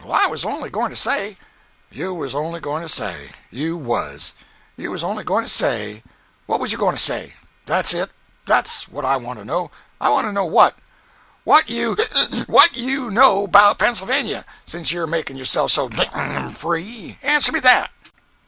"I was only goin' to say—" "You was only goin' to say. You was! You was only goin' to say—what was you goin' to say? That's it! That's what I want to know. I want to know wha what you ('ic) what you know about Pennsylvania, since you're makin' yourself so d— d free. Answer me that!"